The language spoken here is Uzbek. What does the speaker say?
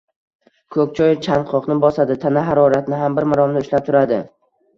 Ko‘k choy chanqoqni bosadi, tana haroratini bir maromda ushlab turadi.